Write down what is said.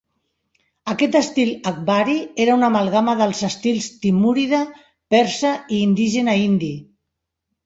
Aquest estil "akbarí" era una amalgama dels estils timúrida, persa i indígena indi.